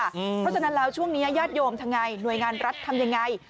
เพราะฉะนั้นแล้วช่วงนี้ญาติโยมทำไงหน่วยงานรัฐทำยังไง